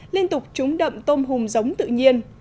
liên tục trúng đậm tôm hùm giống tự nhiên